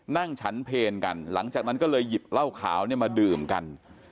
นั่งฉันเพลกันหลังจากนั้นก็เลยหยิบเหล้าขาวเนี่ยมาดื่มกัน